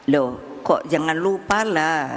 loh kok jangan lupalah